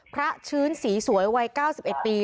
ชื้นสีสวยวัย๙๑ปี